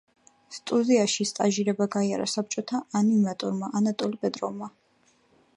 სტუდიაში სტაჟირება გაიარა საბჭოთა ანიმატორმა ანატოლი პეტროვმა.